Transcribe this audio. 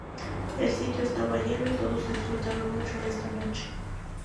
El sitio estaba lleno y todos disfrutaron mucho en esta noche.